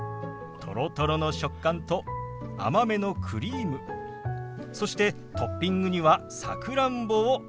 とろとろの食感と甘めのクリームそしてトッピングにはさくらんぼをのせてみました。